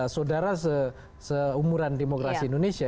saudara seumuran demokrasi indonesia